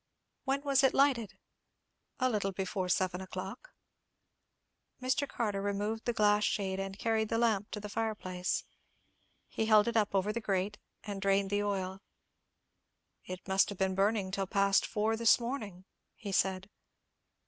"When was it lighted?" "A little before seven o'clock." Mr. Carter removed the glass shade, and carried the lamp to the fireplace. He held it up over the grate, and drained the oil. "It must have been burning till past four this morning," he said.